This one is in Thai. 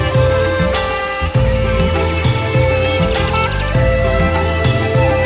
โชว์สี่ภาคจากอัลคาซ่าครับ